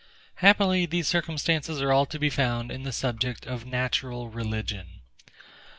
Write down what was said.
Happily, these circumstances are all to be found in the subject of NATURAL RELIGION.